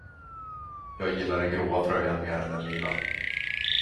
Jag gillar den gråa tröjan mer än den lila.